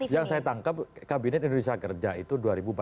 yang saya tangkap kabinet indonesia kerja itu dua ribu empat belas